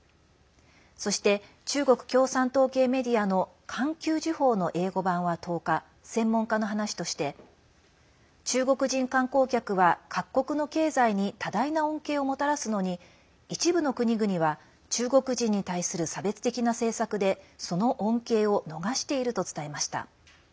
そして、中国共産党系メディアの環球時報の英語版は１０日専門家の話として中国人観光客は各国の経済に多大な恩恵をもたらすのに一部の国々は中国人に対する差別的な政策でその恩恵を逃していると伝えました。